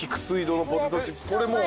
これもう。